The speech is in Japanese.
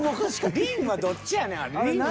りんはどっちやねん。